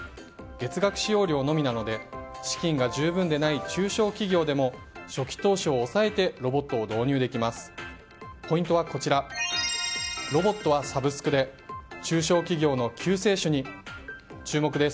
月額使用料のみなので資金が十分ではない中小企業でも初期投資を抑えてロボットを導入できます。